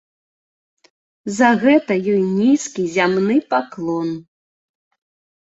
За гэта ёй нізкі зямны паклон!